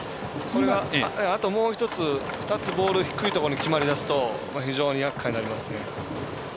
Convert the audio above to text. あともう１つ、２つボール低いところに決まりだすと非常にやっかいになりますね。